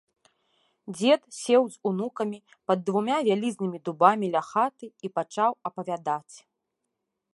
Дзед сеў з унукамі пад двума вялізнымі дубамі ля хаты і пачаў апавядаць.